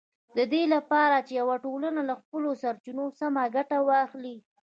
د دې لپاره چې یوه ټولنه له خپلو سرچینو سمه ګټه واخلي